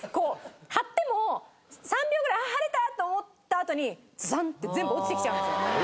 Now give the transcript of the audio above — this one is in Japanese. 貼っても３秒ぐらい貼れたって思ったあとにザンッて全部落ちてきちゃうんですよ。